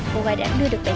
đã nhìn trọng xuất hiện